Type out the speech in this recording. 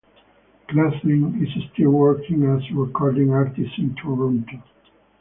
Klassen is still working as recording artist in Toronto.